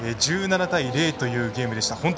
１７対０というゲームでした。